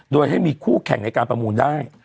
โดยให้มีคู่แข่งในการประมูลได้